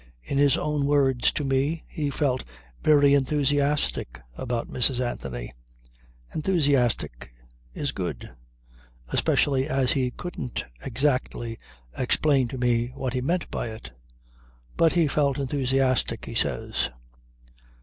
In his own words to me, he felt very "enthusiastic" about Mrs. Anthony. "Enthusiastic" is good; especially as he couldn't exactly explain to me what he meant by it. But he felt enthusiastic, he says.